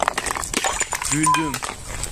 Güldüm.